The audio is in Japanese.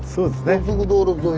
高速道路沿い。